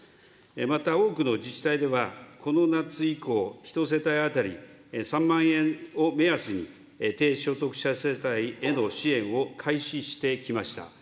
また多くの自治体では、この夏以降、１世帯当たり３万円を目安に、低所得者世帯への支援を開始してきました。